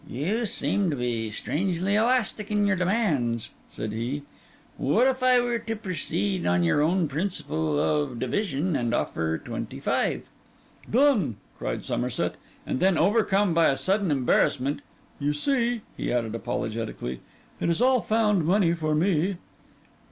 'You seem to be strangely elastic in your demands,' said he. 'What if I were to proceed on your own principle of division, and offer twenty five?' 'Done!' cried Somerset; and then, overcome by a sudden embarrassment, 'You see,' he added apologetically, 'it is all found money for me.